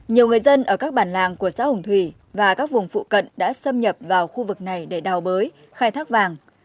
nhiều người dân ở các bản làng của xã hùng thủy và các vùng phụ cận đã xâm nhập vào khu vực này để đào bới khai thác vàng